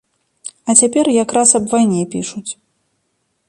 А цяпер якраз аб вайне пішуць.